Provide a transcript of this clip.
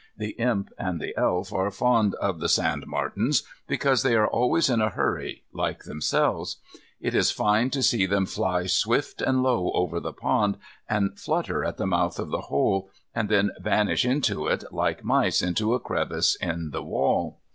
The Imp and the Elf are fond of the sandmartins, because they are always in a hurry like themselves. It is fine to see them fly swift and low over the pond, and flutter at the mouth of the hole, and then vanish into it, like mice into a crevice in the wall.